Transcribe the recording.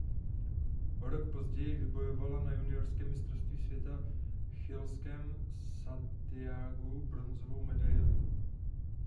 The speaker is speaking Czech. O rok později vybojovala na juniorském mistrovství světa v chilském Santiagu bronzovou medaili.